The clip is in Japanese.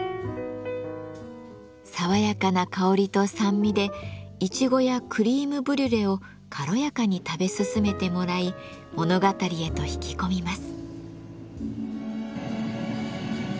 爽やかな香りと酸味でイチゴやクリームブリュレを軽やかに食べ進めてもらい物語へと引き込みます。